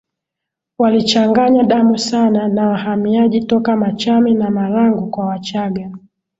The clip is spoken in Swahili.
walichanganya damu sana na wahamiaji toka Machame na Marangu kwa Wachaga